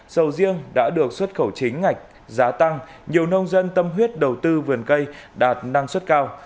sầu riêng đã được xuất khẩu chính ngạch giá tăng nhiều nông dân tâm huyết đầu tư vườn cây đạt năng suất cao